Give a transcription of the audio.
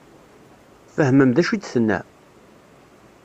Tfehmem d acu i d-tenna?